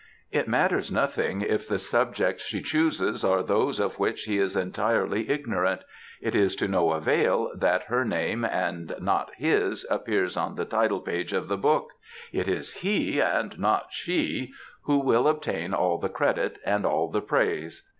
It matters nothing if the subjects she chooses are those of which he is entirely ignorant ; it is to no avail that her name, and not his, appears on the title page of the book ; it is he, and not shCf who will obtain all the credit and all the praise.